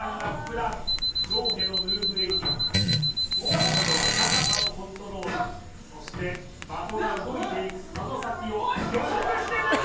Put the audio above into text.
ダウン上下のムーブエリア今度は高さのコントロールそして的が動いていくその先を予測して抜く！